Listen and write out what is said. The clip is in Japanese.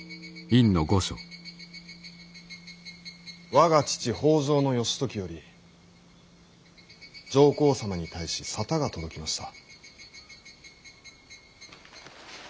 我が父北条義時より上皇様に対し沙汰が届きました。